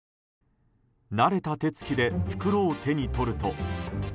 慣れた手つきで袋を手に取ると。